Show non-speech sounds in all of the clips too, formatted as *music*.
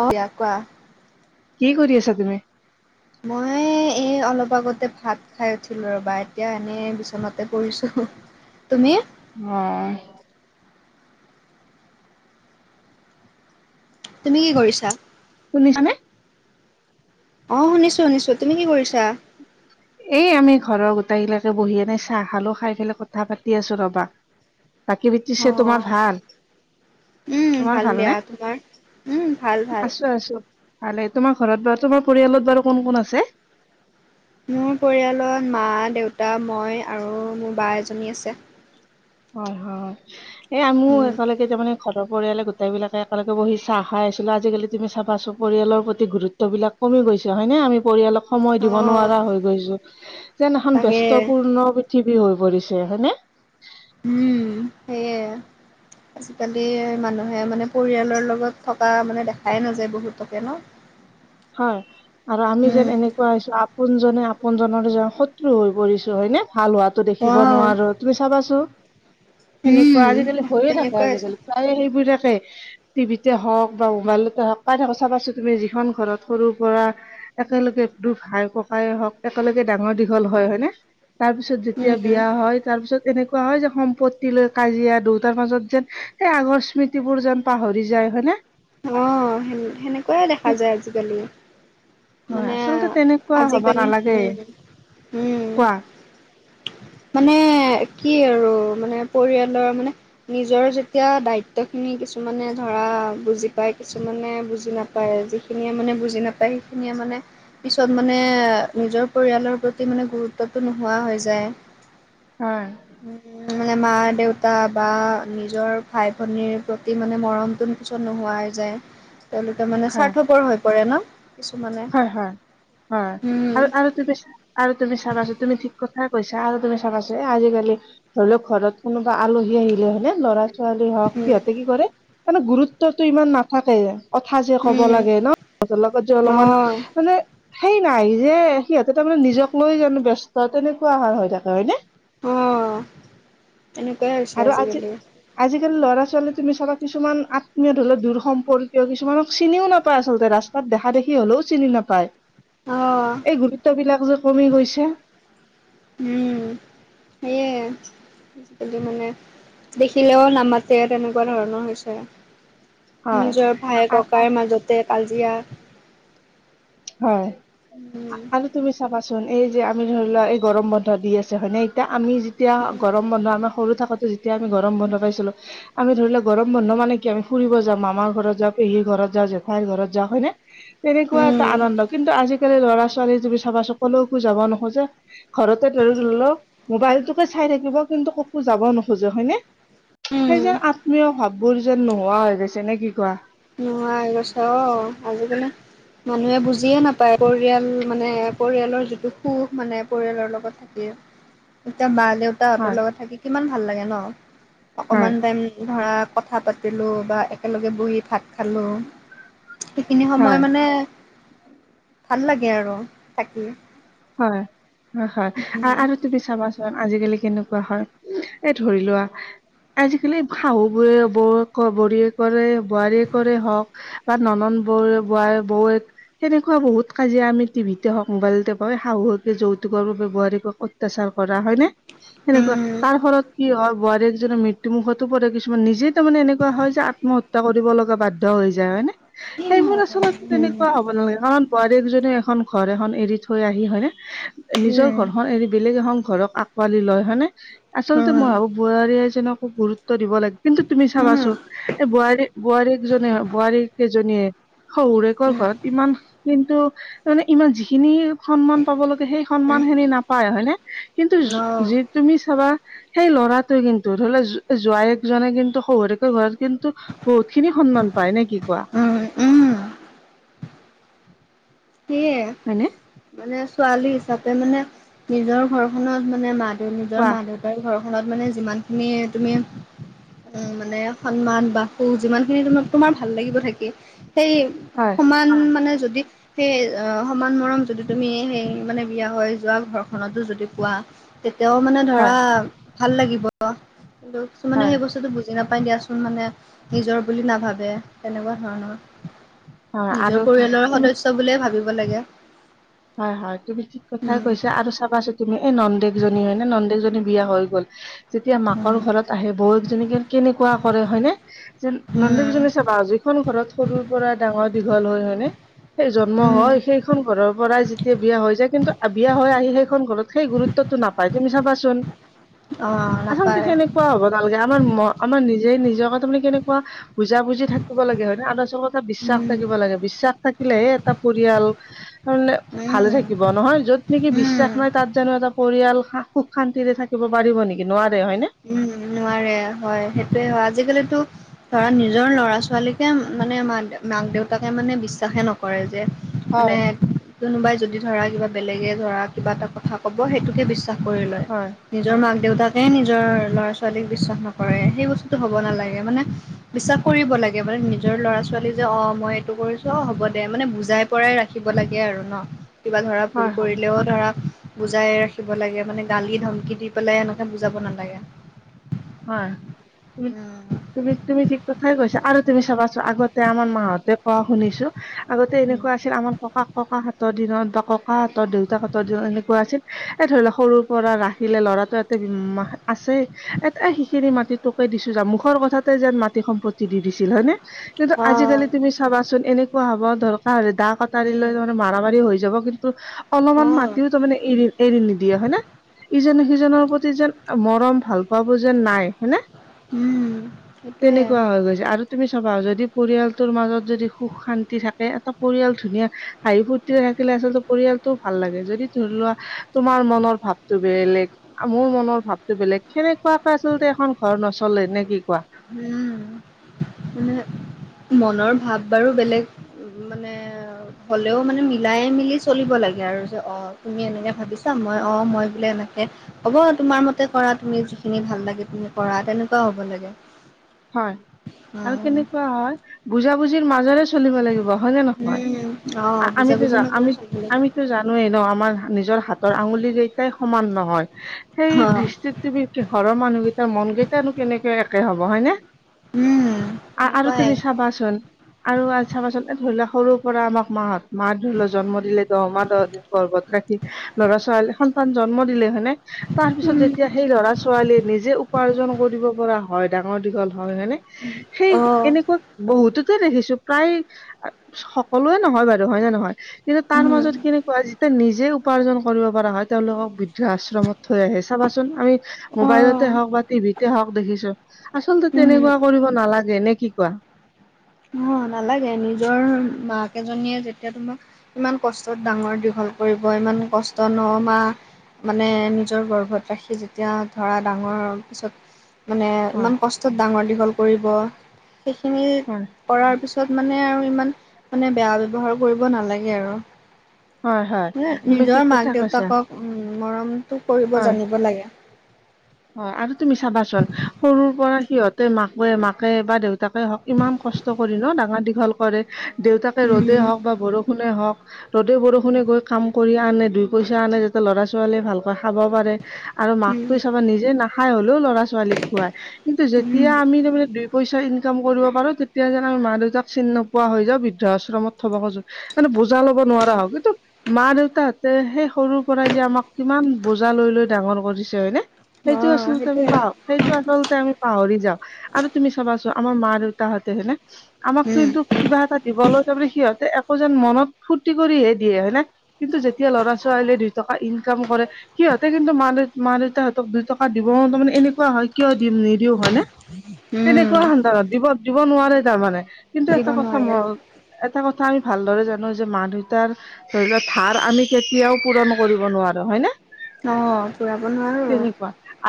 অ দিয়া কোৱা কি কৰি আছা তুমি মই এ অলপ আগতে ভাত খাই উঠিলো ৰবা এতিয়া এনেই বিচনাতে পৰিছো হু তুমি অ তুমি কি কৰিছা শুনিছা নে অ শুনিছো শুনিছো তুমি কি কৰিছা এই আমি ঘৰৰ গোটেইগিলাকে বহি এনে চাহ খালো খাই পেলাই কথা পাতি আছো ৰবা বাকি অ পিছে তোমাৰ ভাল উম তোমাৰ ভাল দিয়া ভালনে? তোমাৰ উম ভাল ভাল আছো আছো ভালে তোমাৰ ঘৰত বা তোমাৰ পৰিয়ালত বাৰু কোন কোন আছে মোৰ পৰিয়ালত মা দেউতা মই আৰু মোৰ বা এজনী আছে হয় হয় এ মোৰ উম একেলগে তাৰমানে ঘৰৰ পৰিয়ালে গোটেইবিলাকে একেলগে বহি চাহ খাই আছিলো আজিকালি তুমি চাবাছো পৰিয়ালৰ প্ৰতি গুৰুত্ব ত্ব বিলাক কমি গৈছে হয়নে আমি পৰিয়ালক সময় অ দিব নোৱাৰা হৈ গৈছো যেন এখন তাকে ব্যস্তপূৰ্ণ পৃথিৱী হৈ পৰিছে হয়নে উম সেইয়ে আজিকালি মানুহে মানে পৰিয়ালৰ লগত থকা মানে দেখাই নাযায় বহুতকে ন হয় আৰু আমি উম যেন এনেকুৱা হৈছো আপোনজনে আপোনজনৰে যেন শত্ৰু হৈ পৰিছো হয়নে ভাল হোৱাত অ দেখিব নোৱাৰো তুমি চাবাচো উম সেনেকুৱা আজিকালি হৈয়ে থাকে তেনেকুৱাই হৈছে। আজিকালি প্ৰায়ে সেইবিলাকে টিভিতে হওক বা মোবাইলতে হওক পাই থাকো চাবাচোন তুমি যিখন ঘৰত সৰু পৰা একেলগে দুখ ভাই ককাই হওঁক একেলগে ডাঙৰ দীঘল হয় হয়নে তাৰপিছত যেতিয়া উম, বিয়া হয় তাৰ পিছত এনেক কোৱা হয় যে সম্পত্তি লৈ কাজিয়া দুইটাৰ মাজত যেন সেই আগৰ স্মৃতি বোৰ যেন পাহৰি যায় হয়নে অ হে হেনেকুৱাই দেখা তে- যায় আজিকালি। হয় মানে আচলতে তেনেকুৱা হব আজিকালি নালাগে হম হম কোৱা মানে কি আৰু মানে পৰিয়ালৰ মানে নিজৰ যেতিয়া দায়িত্ব খিনি কিছুমানে ধৰা বুজি প্ৰায় কিছুমানে বুজি নাপায় যিখিনিয়ে মানে বুজি নাপায় সেইখিনিয়ে মানে পিছত মানে নিজৰ পৰিয়ালৰ প্ৰতি মানে গুৰুত্বটো নোহোৱা হৈ যায়। হয় উম উ মানে মা -দেউতা বা নিজৰ ভাই -ভনীৰ প্ৰতি মানে মৰমটো নিশ্চয় নোহোৱাই যাই তেওঁলোকে মানে হয়, স্বাৰ্থকৰ হৈ পৰে ন কিছুমানে হয় হয় হয় উম, আৰু আৰু তুমি আৰু তুমি চাবাছো তুমি ঠিক কথা কৈছা আৰু তুমি চাবাছোন এ আজিকালি ধৰি লওক ঘৰত কোনোবা আলহী আহিলে হয়নে ল'ৰা ছোৱালী হওক উম, সিহঁতে কি কৰে মানে গুৰুত্বটো ইমান নাথাকে কথা যে ক'ব উম লাগে ন লগৰ লগত যে অলপমান অ', মানে সেই নাই যে সিহঁতে তাৰ মানে নিজক লৈ জানো ব্যস্ত তেনেকুৱা আহাৰ হৈ থাকে হয়নে অ তেনেকুৱাই হৈছে আৰু আজি আজিকালি আজিকালি ল'ৰা-ছোৱালী তুমি চাবা কিছুমান আত্মীয় ধৰিলওক দূৰ সম্পৰ্কীয় কিছুমানক চিনিও নাপায় আচলতে ৰাচ তাত দেখা দেখি হলেও চিনি নাপায় অ', এই গুৰুত্ব বিলাক যে কমি গৈছে উম সেয়ে আজিকালি মানে দেখিলেও নামাতে তেনেকুৱা ধৰণৰ হৈছে হয় নিজৰ আ- আ- ভাই-ককাইৰ মাজতে কাজিয়া হয় উম *unintelligible* আ আৰু তুমি চাবাচোন এই যে আমি ধৰি লোৱা এই গৰম বন্ধ দি আছে হয় নে তে আমি যেতিয়া গৰম বন্ধ আমাৰ সৰু থাকোতে যেতিয়া আমি গৰম বন্ধ পাইছিলোঁ আমি ধৰি লও গৰম বন্ধ মানে কি আমি ফুৰিব যাওঁ মামাৰ ঘৰত যাওঁ পেহীৰ ঘৰত যাওঁ জেঠাইৰ ঘৰত যাওঁ হয়নে কেনেকুৱা এটা উম, আনন্দ কিন্তু আজিকালি ল'ৰা-ছোৱালী তুমি চাবাচোন কলৈকো যাব নোখোজে ঘৰতে ধৰি ল লওক মোবাইলটোকে চাই থাকিব কিন্তু কতো যাব নোখোজে হয়নে সেই উম। যে আত্মীয় ভাৱ বোৰ যেন নোহোৱা হৈ গৈছে নে কি কোৱা নোহোৱা হৈ গৈছে অ আজিকালি মানুহে বুজিয়ে নাপায় পৰিয়াল মানে পৰিয়ালৰ যিটো সুখ মানে পৰিয়ালৰ লগত এতিয়া মা দেউ তাহতৰ হয় লগত থাকি কিমান ভাল লাগে ন হয় অকমান টাইম ধৰা কথা পাতিলোঁ, বা একেলগে বহি ভাত খালোঁ, সেইখিনি হয় সময় মানে ভাল লাগে আৰু থাকি হয় হয় হয় আৰু তুমি চাবাচোন আজিকালি কেনেকুৱা হয় এ ধৰি লোৱা আজিকালি শাহু বোৰে বৌ ক বোৱাৰীয়েকৰ বোৱাৰীয়ে কৰে হওক বা ননন বৌ বোৱাৰ বৌৱেক তেনেকুৱা বহুত কাজিয়া আমি টিভিতে হওক মোবাইলতে হয় শাহুৱেকে যৌতুকৰ বাবে বোৱাৰীয়েকক অত্যাচাৰ কৰা হয় নে সেনেকুৱা উম তাৰ ফলত কি হয় বোৱাৰী জনীৰ মৃত টোমুখতো পৰে কিছুমান নিজেই তাৰমানে এনেকুৱা হয় যে আত্মহত্যা কৰিব লগা বাধ্য হৈ যায় হয় নে উম সেইবোৰ আচলতে উম তেনেকুৱা হ'ব নালাগে কাৰণ বোৱাৰী এজনিয়ে এখন ঘৰ এখন এৰি থৈ আহি হয়নে নিজৰ উম ঘৰখন এৰি বেলেগ এখন ঘৰক আকোৱালি লয় হয়নে আচলতে উম মই ভাবো বোৱাৰী এজনকো গুৰুত্ব দিব লাগ কিন্তু তুমি উম চাবাচোন এই বোৱাৰী বোৱাৰীকজনে বোৱাৰীক সেইজনীয়ে শহুৰে কৰ ঘৰত ইমান কিন্তু তাৰমানে ইমান যিখিনি সন্মান পাব লাগে সেই উম, সন্মান খিনি নাপায় হয়নে কিন্তু অ যি তুমি চাবা সেই ল'ৰাটোৱে কিন্তু ধৰি লোৱা জু জোৱায়েক জনে কিন্তু শহুৰেকৰ ঘৰত কিন্তু বহুত খিনি সন্মান পাই নে কি কোৱা উম উম সেয়ে হয়নে মানে ছোৱালী হিচাপে মানে নিজৰ ঘৰ খনৰ মানে মা দেউ নিজৰ কোৱা মা দেউ তাৰ ঘৰখনত মানে যিমান খিনিয়ে তুমি উ মানে সন্মান বাসু যিমান খিনি ত তোমাৰ ভাল লাগিব থাকি সেই হয় সমান মানে যদি সেই অ সমান মৰম যদি তুমি সেই মানে বিয়া হৈ যোৱা ঘৰখনতো যদি পোৱা তেতিয়াও মানে হয় ধৰা ভাল লাগিব। কিন্তু কিছুমানে হয় সেই বস্তুটো বুজি জি নাপাই দিয়াচোন মানে নিজৰ বুলি নাভাবে, তেনেকুৱা ধৰণৰ। হয় নিজৰ আৰু পৰিয়ালৰ তুমি সদস্য বুলিয়ে ভাবিব লাগে। হয় হয় তুমি ঠিক কথাই উম কৈছা আৰু চ- থাকাছো তুমি এই নন্দেকজনী হয় নে নন্দেকজনী বিয়া হৈ গ'ল- যেতিয়া মাকৰ উম। ঘৰত আহে বৌৱকজনী কে-কেনেকুৱা কৰে হয়নে? যে নন্দকেইজনী চাবা- যিখন ঘৰত সৰুৰ পৰা ডাঙৰ দীঘল হয়, হয়নে? সেই জন্ম হয় সেইখন ঘৰৰ পৰাই যেতিয়া বিয়া হৈ যায় কিন্তু বিয়া হৈ আহি সেইখন ঘৰত সেই গুৰুত্বতটো নাপায় তুমি চাবাচোন আচল'তে কেনে- কোৱা হ'ব নালাগে আমাৰ ম আমাৰ নিজে নিজকে ত মানে কেনেকুৱা, বুজা-বুজি থাকিব লাগে হয় নে? আদচকত এটা বিশ্বাস থাকিব লাগে- বিশ্বাস থাকিলেহে এটা পৰিয়াল তাৰনে ভালে থাকি- থাকিব নহয় য'ত নেকি বিশ্বাস নাই তাত জানো এটা পৰিয়াল সুখ-শান্তিৰে থাকিব পাৰিব নেকি? নোৱাৰে- হয়নে? উম নোৱাৰে হয় সেইটোয়ে হয় আজিকালিতো ধৰা নিজৰ ল'ৰা ছোৱালীকে মানে মা মাক-দেউতাকে মানে বিশ্বাসে নক- কৰে যে- মানে হয় কোনোবাই যদি ধৰা কিবা বেলেগে ধৰা কিবা এটা কথা কব সেইটোকে বিশ্বাস কৰি লয়। হয়। নিজৰ মাক-দেউতাকে নিজৰ ল'ৰা-ছ ছোৱালীক বিশ্বাস নকৰে সেই বস্তুতো হ'ব নালাগে মানে- বিশ্বাস কৰিব লাগে মানে নিজৰ ল'ৰা-ছোৱালী যে অঁ মই এইটো কৰিছো অ হ'ব দে- মানে বুজাই পৰাই ৰাখিব লাগে আৰু ন? কিবা ধৰা ভুল হয় হয়। কৰিলেও ধৰা বুজাই ৰাখিব লাগে মানে গালি-ধমকি দি পেলাই এনেকে বুজাব নালাগে। হয়। উ উম। তুমি তুমি ঠিক কথাই কৈছা আৰু তুমি চাবাচো- আগতে আমাৰ মাহঁতে কোৱা শুনিছো আগতে এনেকুৱা আছিল আমাৰ ককাক ককাহঁতৰ দিনত বা ককাহঁতৰ, দেউতাকহতৰ দিনত এনেকুৱা আছিল- এ ধৰি লক সৰুৰ পৰা ৰাখিলে ল'ৰাটো মাহ আছে এত এ সিখিনি মাটি তুকেই দিছো যা, মুখৰ কথাতে যেন মাটি সম্পত্তি দি দিছিল- হয় নে? কিন্তু আজি-কালি অ'। তুমি চাবাচোন- এনেকুৱা হব দৰকাৰ হ'লে দা ক টাৰি লৈ উম। মানে মাৰা-মাৰি হৈ যাব কিন তু, অলমান অ', মাতিও তাৰমানে এৰি এৰি নিদিয়ে হয় নে? ইজনে সিজনৰ প্ৰতি যেন মৰম ভাল পাৱবোৰ যেন নাই হয়নে? উম, সেইটোৱে। তেনেকুৱা হৈ গৈছে আৰু তুমি চাবা- যদি পৰিয়ালটোৰ মাজত যদি সুখ-শান্তি থাকে, এটা পৰিয়াল ধুনীয়া হাঁহি-ফূৰ্তিৰে থাকিলে আচলতে পৰিয়ালটোও ভাল লাগে, যদি ধৰি লোৱা- তোমাৰ মনৰ ভাৱটো বে-লেগ মোৰ মনৰ ভাৱটো বেলেগ, সেনেকুৱাকে আচলতে এখন ঘৰ নচলে, নে কি কোৱা? উম্, মনৰ ভাব বাৰু বেলেগ মানে এ *unintelligible* হ'লেও মানে মিলাই-মিলি চলিব লাগে আৰু যে- অ তুমি এনেকে ভাবিছা মই অ মই বোলে এনেকে হ'ব তোমাৰ মতে কৰা তুমি যিখিনি ভাল লাগে তুমি কৰা, তেনেকুৱাও হ'ব লাগে। হয়। আৰু উম। কেনেকুৱা হয়- বুজা-বুজিৰ মাজৰে চলিব লাগিব হয় নে নহয়? উম, অ' আমিতো বুজাবুজি যা মাজেৰে আমি চলিব লাগে। আমিতো যা নুই ন আমাৰ নিজৰ হাতৰ আঙুলি কেইটাই সমান নহয়, সেই অ'। দৃষ্টিত তেবে-কে ঘৰৰ মানুহকেইটাৰ মন কেইটানো কেনেকে একে হব- হয় নে? উম। আৰু তেনেকুৱাই তুমি চাবা চোন- আৰু আঁ চাবাচোন? ধৰি লোৱা, সৰুৰ পৰা আমাক মাহত, মাহত ধৰি লওঁ জন্ম দিলে, দহ মাহ দহ দিন গৰ্ভত ৰাখি, ল'ৰা-ছোৱালী, সন্তান জন্ম দিলে। হয়নে? তাৰপিছত, যেতিয়া সেই, লৰা-ছোৱালীয়ে নিজে উপাৰ্জন কৰিব পৰা হয়, ডাঙৰ-দীঘল হয় মানে। সেই, অ', এনেকুৱা বহুততে দেখিছোঁ! প্ৰায়, সকলোৱে নহয় বাৰু। হয় নে নহয়? কিন্তু, তাৰ উম, মাজত কেনেকুৱা, যেতিয়া নিজে, উপাৰ্জন কৰিব পৰা হয়, তেওঁলোকক তো আশ্ৰমত থৈ আহে, চাবাচোন? আমি, মোবাইলতে অ', হওঁক বা টিভিতে হওঁক দেখিছোঁ। আচলতে, উম। তেনেকুৱা কৰিব নালাগে, নে কি কোৱা? অ' নালাগে, নিজৰ মাক এজনীয়ে যেতিয়া, তোমাক ইমান কষ্টত ডাঙৰ-দীঘল কৰিব! ইমান কষ্ট ন- মাহ মানে, নিজৰ গৰ্ভত ৰাখি, যেতিয়া ধৰা, ডাঙৰ হোৱাৰ পিছত মানে, হয় ইমান কষ্টত ডাঙৰ-দীঘল কৰিব! সেইখিনি হয়! কৰাৰ পিছত মানে আৰু ইমান মানে, বেয়া ব্যৱহাৰ কৰিব নালাগে আৰু! হয় হয় মানে, তুমি নিজৰ ঠিক কথা কৈছা মাক-দেউতাকক, উম! মৰমটো কৰিব হয় জানিব লাগে। অ'! আৰু তুমি চাবাচোন? সৰুৰ পৰা সিহঁতে, মাকোৱে, মাকে বা দেউতাকে হওঁক ইমান কষ্ট কৰি ন' ডাঙৰ-দীঘল কৰে! দেউতাকে ৰ'দে উম হওঁক বা বৰষুণে হওঁক, ৰ'দে- বৰষুণে গৈ কাম কৰি আনে। দু পইচা আনে। যাতে, লৰা-ছোৱালীয়ে ভালকৈ খাব পাৰে। আৰু মাকটো নিজে নাখায় হ'লেও, ল'ৰা-ছোৱালীক খুৱাই। কিন্তু, যেতিয়া আমি, তাৰমানে দুই-পইচা ইনকাম কৰিব পাৰোঁ। তেতিয়া যেন, মা-দেউতাক চিন নো কোৱা হৈ যে, বৃদ্ধ আশ্ৰমত থ'ব খোজোঁ। মানে, বোজা ল'ব নোৱাৰা হওঁ। কিন্তু, মা-দেউতাহঁতে, সেই, সৰুৰ পৰাই যে, আমাক কিমান বোজা লৈ-লৈ ডাঙৰ কৰিছে! হয়নে? অ সেইটো, আচলতে আমি, সেইটোৱে পাহ সেইটো আচলতে, আমি পাহৰি যাওঁ। আৰু তুমি চাবাচোন? আমাৰ মা-দেউতাহঁতে হয়নে! আমাক উম কিন্তু, কিবা এটা দিব লৈ তাৰমানে, সিহঁতে একো যেন, মনত ফূৰ্তি কৰিহে দিয়ে। হয় নে? কিন্তু, যেতিয়া ল'ৰা-ছোৱালীয়ে দুই টকা ইনকাম কৰে, সিহঁতে কিন্তু, মা-দেউ, মা-দেউতা দুই টকা দিব। তাৰমানে, এনেকুৱা হয়, কিয় দিম? নিদিওঁ, হয় নে? উম তেনেকুৱা অন্তৰত! দিব দিব নোৱাৰে, তাৰমানে। কিন্তু, দিব এটা কথা নোৱাৰে মোৰ এটা কথা আমি, ভালদৰে জানোঁ যে, মা- দেউতাৰ ধৰি লোৱা, ধাৰ আমি কেতিয়াও, পূৰণ কৰিব নোৱাৰোঁ। হয় নে? অ'! পূৰাব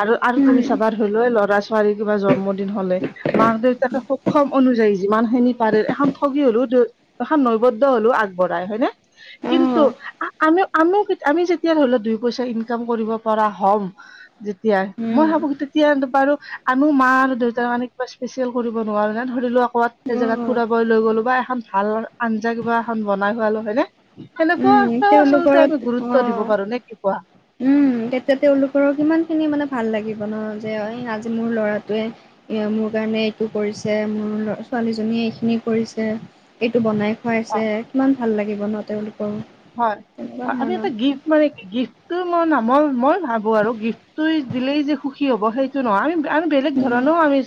আৰু আৰু তুমি উম! চাবা ধৰি ল', ল'ৰা-ছোৱালী কিবা জন্মদিন থ'লে মাক-দেউতাকে সক্ষম অনুযায়ী, যিমানখিনি পাৰে, এখন ঠগী হ'লেও এখন নৈবদ্য হ'লেও আগবঢ়াই। হয় নে? কিন্তু, উম। আমি-আমিও, আমি যেতিয়া, ধৰি লোৱা দুই-পইচা ইনকাম কৰিব পৰা হ'ম, *inaudible* যেতিয়াই, মই অ' ভাবোঁ! তেতিয়া বাৰু আমিও মা আৰু দেউতাৰ মানে, কিবা স্পেচিয়েল কৰিব নোৱাৰোঁ নে! ধৰি লওঁক, ক'ৰবাত এজেগাত ফুৰাব লৈ গ'লো বা এখন ভাল আঞ্জা কিবা, এখন বনাই খোৱালোঁ। হয়নে? উম সেনেকুৱাও *unintelligible* তেওঁলোকৰ আচলতে, আমি গুৰুত্ব দিব অ' পাৰোঁ। নে কি কোৱা? উম! তেতিয়া, তেওঁলোকৰ কিমান খিনি মানে, ভাল লাগিব ন'! যে, এই আজি মোৰ ল'ৰাটোৱে এইয়া, মোৰ কাৰণে এইটো কৰিছে, মোৰ *unintelligible* ছোৱালীজনীয়ে এইখিনি কৰিছে, এইটো বনাই অ খোৱাইছে, কিমান ভাল লাগিব ন'! তেওঁলোকৰো। হয়, তেনেকুৱা আমি ধৰণৰ। এটা গিফ্ট মানে গিফ্টটো মই নামল মই ভাবো আৰু গিফ্টটো দিলেই যে সুখী হ'ব সেই টো নহয় আমি বেলেগ উম ধৰণেও আমি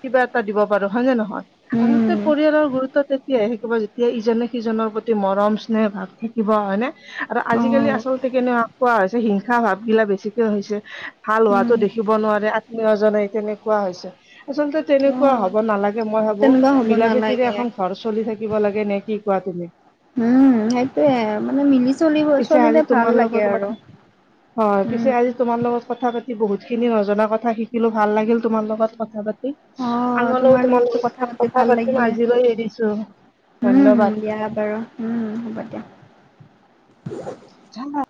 কিবা এটা দিব পাৰো হয় নে নহয়। আচলতে উম পৰিয়ালৰ গুৰুত্ব তেতিয়াই শিকিব যেতিয়া ইজনে সিজনৰ প্ৰতি মৰম স্নেহ ভাৱ থাকিব হয় নে। আৰু আজিকালি অ' আচলতে কেনেকুৱা কোৱা হৈছে হিংসা ভাৱ গিলা বেছিকে হৈছে। ভাল উম হোৱাতো দেখিব নোৱাৰে আত্মীয়জনে তেনেকুৱা হৈছে আচলতে তেনে কুৱা অ' হব নালাগে মই ভাবো তেনেকুৱা হ'ব মিলাপ্ৰীতিৰে নালাগে। এখন ঘৰ চলি থাকিব লাগে নে কি কোৱা তুমি? উম সেইটোয়ে মানে মিলি চলিব পিছে চলিলে আজি ভাল তোমাৰ লাগে লগত আৰু। কথা হয় পিছে উম। আজি তোমাৰ লগত কথা পাতি বহুত খিনি নজনা কথা শিকিলো ভাল লাগিল তোমাৰ লগত কথা পাতি। অ আগলৈও তোমাৰ লগতো লগত পাতি কথা ভাল পাতিম লাগিলে আজিলৈ এৰিছো। উম ধন্যবাদ দিয়া বাৰু হম হ'ব দিয়া। *unintelligible*